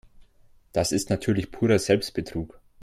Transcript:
Das ist natürlich purer Selbstbetrug.